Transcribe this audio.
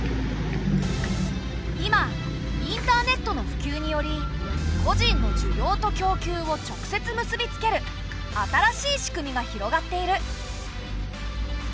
今インターネットのふきゅうにより個人の需要と供給を直接結びつける新しい仕組みが広がっている。